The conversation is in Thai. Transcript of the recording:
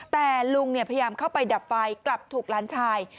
แต่ลุงพยายามเข้าไปดับไฟกลับถูกหลานชาย